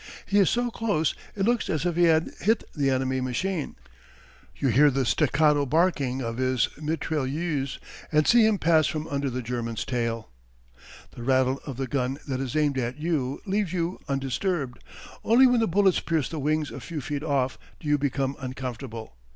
He is so close it looks as if he had hit the enemy machine. You hear the staccato barking of his mitrailleuse and see him pass from under the German's tail. The rattle of the gun that is aimed at you leaves you undisturbed. Only when the bullets pierce the wings a few feet off do you become uncomfortable.